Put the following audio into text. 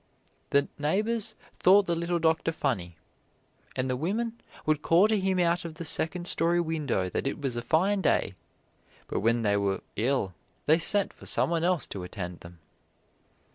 The neighbors thought the little doctor funny, and the women would call to him out of the second story window that it was a fine day, but when they were ill they sent for some one else to attend them.